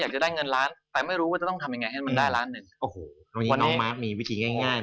ตามที่ตั้งเป้าไหร่เนี่ย